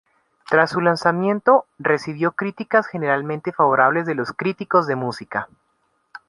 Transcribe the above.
Tras su lanzamiento, recibió críticas generalmente favorables de los críticos de música.